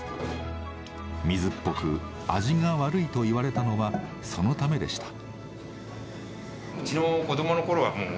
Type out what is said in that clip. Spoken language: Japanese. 水っぽく味が悪いと言われたのはそのためでした。